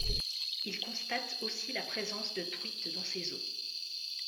Il constate aussi la présence de truites dans ses eaux.